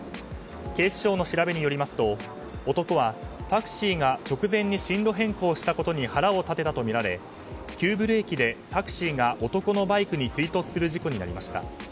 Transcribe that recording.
警視庁の調べによりますと男は、タクシーが直前に進路変更したことに腹を立てたとみられ急ブレーキでタクシーが男のバイクに追突する事故になりました。